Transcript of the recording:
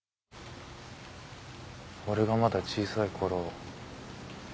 俺がまだ小さいころ